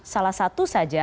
salah satu saja